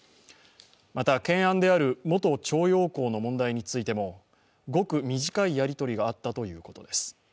また、懸案である元徴用工の問題についてもごく短いやりとりがあったということです。